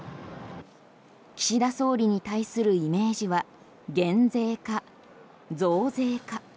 岸田総理に対するイメージは減税か、増税か。